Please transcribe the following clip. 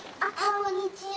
こんにちは。